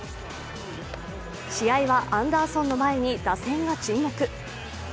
試合はアンダーソンの前に打線が沈黙。